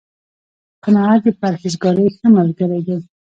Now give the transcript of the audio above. قناعت، د پرهېزکارۍ ښه ملګری دی